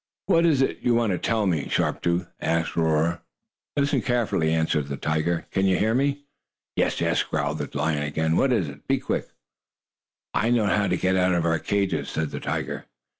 "What is it you want to tell me, Sharp Tooth?" asked Roarer. "Listen carefully," answered the tiger. "Can you hear me?" "Yes, yes," growled the lion again. "What is it? Be quick!" "I know a way to get out of our cages," said the tiger.